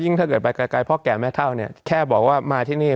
ถ้าเกิดไปไกลพ่อแก่แม่เท่าเนี่ยแค่บอกว่ามาที่นี่